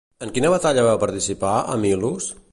En quina batalla va participar amb Hil·los?